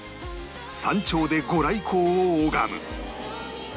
山頂で御来光を拝む